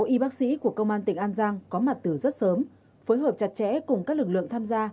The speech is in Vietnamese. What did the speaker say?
sáu y bác sĩ của công an tỉnh an giang có mặt từ rất sớm phối hợp chặt chẽ cùng các lực lượng tham gia